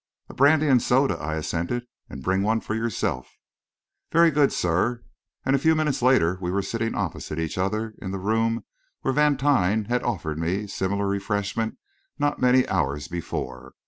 "A brandy and soda," I assented; "and bring one for yourself." "Very good, sir," and a few minutes later we were sitting opposite each other in the room where Vantine had offered me similar refreshment not many hours before.